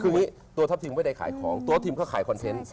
คือตัวทัพทีมไม่ได้ขายของตัวทีมเขาขายคอนเทนต์